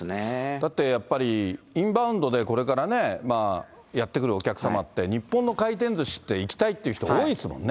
だってやっぱり、インバウンドで、これからね、やって来るお客様って、日本の回転ずしって、行きたいっていう人が多いですもんね。